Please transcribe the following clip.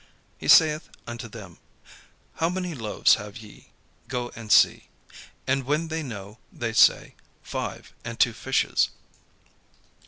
He saith unto them: "How many loaves have ye? Go and see." And when they know, they say, "Five, and two fishes."